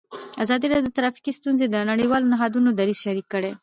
ازادي راډیو د ټرافیکي ستونزې د نړیوالو نهادونو دریځ شریک کړی.